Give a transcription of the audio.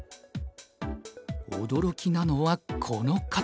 驚きなのはこの形。